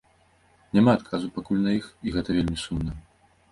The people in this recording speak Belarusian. Няма адказу пакуль на іх, і гэта вельмі сумна.